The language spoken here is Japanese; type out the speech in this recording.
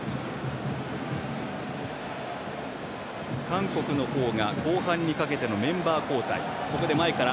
韓国の方が後半にかけてのメンバー交代。